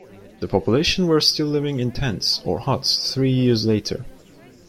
The population were still living in tents or huts three years later.